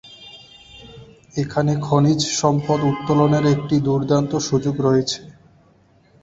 এখানে খনিজ সম্পদ উত্তোলনের একটি দুর্দান্ত সুযোগ রয়েছে।